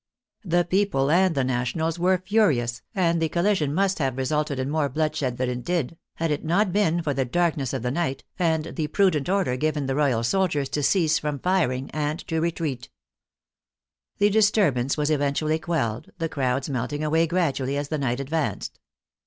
The people and the Nationals were THE CONSTITUTION MONGERS 23 furious, and the collision must have resulted in more bloodshed than it did, had it not been for the darkness of the night, and the prudent order given the Royal soldiers to cease from firing and to retreat. The disturbance was eventually quelled, the crowds melting away gradually as the night advanced.